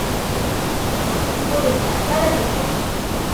Ur netḥeqqeq ara mliḥ.